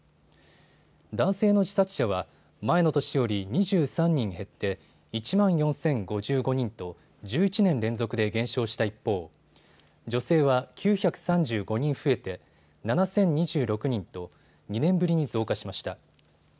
男性の自殺者は前の年より２３人減って、１万４０５５人と１１年連続で減少した一方、女性は９３５人増えて、７０２６人と２年ぶりに増加しました。